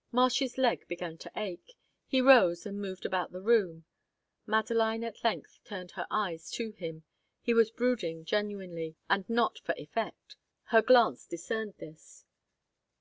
'" Marsh's leg began to ache. He rose and moved about the room. Madeline at length turned her eyes to him; he was brooding genuinely, and not for effect. Her glance discerned this.